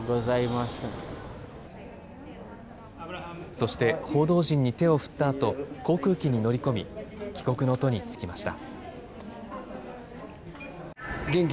そして、報道陣に手を振ったあと、航空機に乗り込み、帰国の途に就きました。